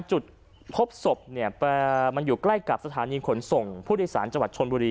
จุดพบศพเนี่ยมันอยู่ใกล้กับสถานีขนส่งผู้โดยสารจังหวัดชนบุรี